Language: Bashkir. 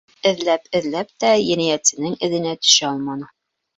Эҙләп-эҙләп тә, енәйәтсенең эҙенә төшә алманы.